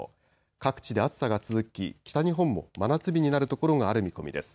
各地で暑さが続き、北日本も真夏日になるところがある見込みです。